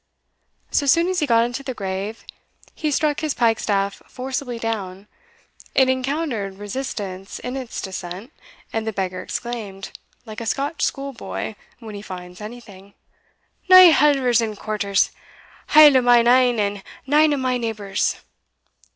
So soon as he got into the grave, he struck his pike staff forcibly down; it encountered resistance in its descent, and the beggar exclaimed, like a Scotch schoolboy when he finds anything, "Nae halvers and quarters hale o' mine ain and 'nane o' my neighbour's."